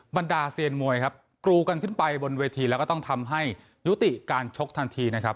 บรรดาเซียนมวยครับกรูกันขึ้นไปบนเวทีแล้วก็ต้องทำให้ยุติการชกทันทีนะครับ